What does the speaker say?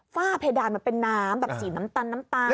ฝ้าเพดานมันเป็นน้ำสีน้ำตาล